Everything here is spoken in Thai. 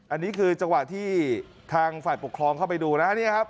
อันนี้คือจังหวะที่ทางฝ่ายปกครองเข้าไปดูนะเนี่ยครับ